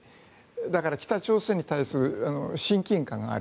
だから北朝鮮に対する親近感がある。